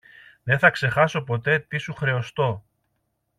Δε θα ξεχάσω ποτέ τι σου χρεωστώ.